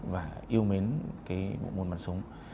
và yêu mến môn bắn súng